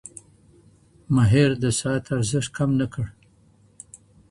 ماهر د ساعت ارزښت کم نه کړ.